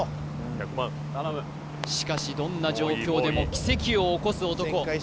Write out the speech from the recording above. しかしどんな状況でも奇跡を起こす男